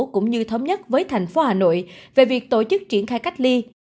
cũng như thống nhất với thành phố hà nội về việc tổ chức triển khai cách ly